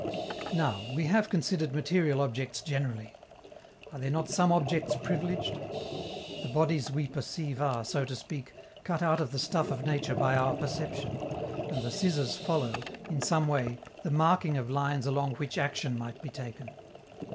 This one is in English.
Now, we have considered material objects generally. Are there not some objects privileged? The bodies we perceive are, so to speak, cut out of the stuff of nature by our perception, and the scissors follow, in some way, the marking of lines along which action might be taken.